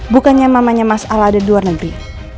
bukannya mamanya mas al ada di luar negeri